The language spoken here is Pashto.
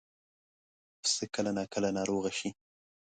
پسه کله ناکله ناروغه شي.